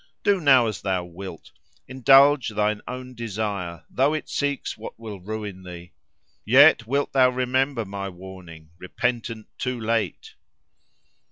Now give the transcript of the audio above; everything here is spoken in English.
Do now as thou wilt. Indulge thine own desire, though it seeks what will ruin thee. Yet wilt thou remember my warning, repentant too late."